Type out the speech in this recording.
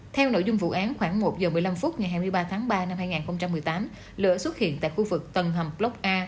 theo nội dung vụ án khoảng một h một mươi năm phút ngày hai mươi ba tháng ba năm hai nghìn một mươi tám lửa xuất hiện tại khu vực tầng hầm block a